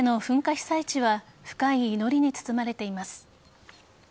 被災地は深い祈りに包まれています。